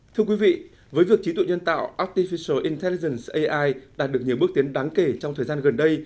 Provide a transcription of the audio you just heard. thưa quý vị với việc trí tụ nhân tạo artifical intelligence ai đạt được nhiều bước tiến đáng kể trong thời gian gần đây